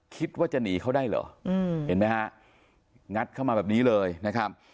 คิดว่าจะหนีเขาได้เหรอเห็นไหมฮะงัดเข้ามาแบบนี้เลยนะครับ